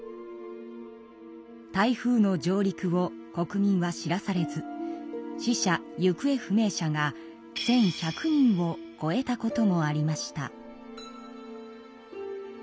台風の上陸を国民は知らされず死者・行方不明者が１，１００人をこえたこともありました。